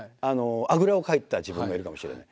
あぐらをかいてた自分がいるかもしれない。